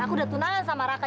aku udah tunangan sama raka